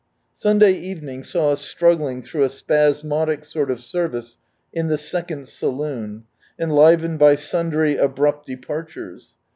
Sunday evening saw us struggling through a spasmodic sort of service in the second saloon, enlivened by sundry abrupt departures.